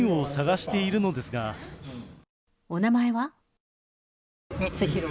お名前は？